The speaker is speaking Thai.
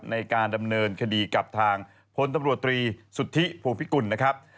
ในการดำเนินคดีกับทางพลตำรวจตรีสุทธิภูพิกุลนะครับ